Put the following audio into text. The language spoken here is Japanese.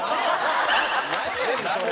なんやねんそれ！